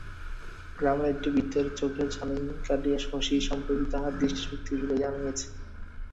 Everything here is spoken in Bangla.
গ্রামের একটি বৃদ্ধের চোখের ছানি কাটিয়া শশী সম্প্রতি তাহার দৃষ্টিশক্তি ফিরাইয়া আনিয়াছে।